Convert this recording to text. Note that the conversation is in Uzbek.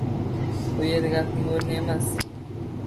Bu yer gapning oʻrni emas